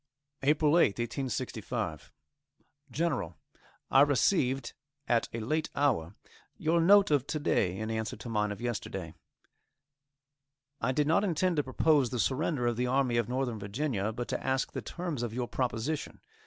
APRIL 8th, 1865. GENERAL: I received, at a late hour, your note of to day, in answer to mine of yesterday. I did not intend to propose the surrender of the Army of Northern Virginia, but to ask the terms of your proposition.